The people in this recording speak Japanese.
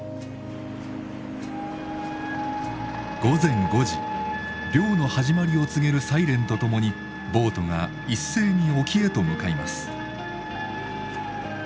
午前５時漁の始まりを告げるサイレンとともにボートが一斉に沖へと向かいます。